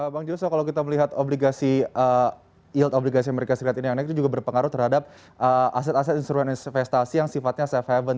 bang joshua kalau kita melihat obligasi yield obligasi amerika serikat ini yang naik itu juga berpengaruh terhadap aset aset instrumen investasi yang sifatnya safe haven